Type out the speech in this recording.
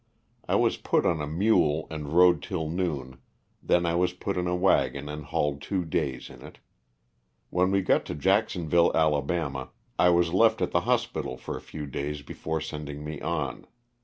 I was put on a mule and rode till noon, then I was put in a wagon and hauled two days in it. When we got to Jacksonville, Ala., I was left at the hospital for a few days before sending me on.